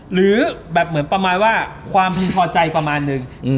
หรือแบบความพึงพอใจประมาณนึง